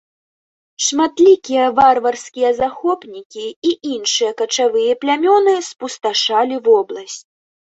Шматлікія варварскія захопнікі і іншыя качавыя плямёны спусташалі вобласць.